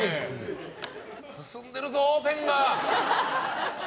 進んでるぞペンが。